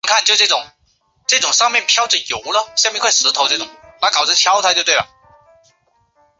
父亲是荒川秀景。